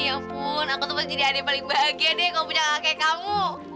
ya ampun aku tuh pasti jadi adek yang paling bahagia deh kalau punya kakak kayak kamu